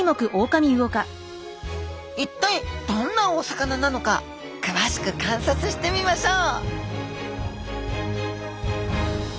一体どんなお魚なのか詳しく観察してみましょう！